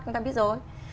chúng ta biết rồi